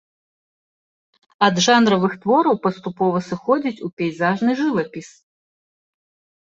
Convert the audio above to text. Ад жанравых твораў паступова сыходзіць у пейзажны жывапіс.